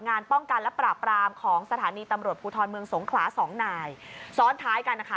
งานป้องกันและปราบรามของสถานีตำรวจภูทรเมืองสงขลาสองนายซ้อนท้ายกันนะคะ